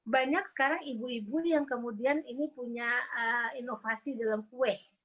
banyak sekarang ibu ibu yang kemudian ini punya inovasi dalam kue